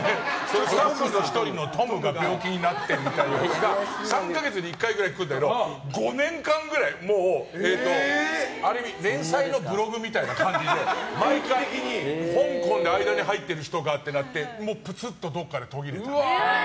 スタッフの１人のトムが病気になってみたいなことが３か月に１回くらい来るんだけど５年間くらい前妻のブログみたいな感じで毎回、香港で間に入っている人がとかあってぷつっと、どっかで途切れて。